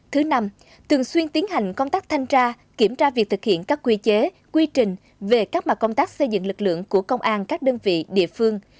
thứ năm thường xuyên tiến hành công tác thanh tra kiểm tra việc thực hiện các quy chế quy trình về các mặt công tác xây dựng lực lượng của công an các đơn vị địa phương